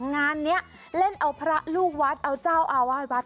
งานนี้เล่นเอาพระลูกวัดเอาเจ้าอาวาสวัด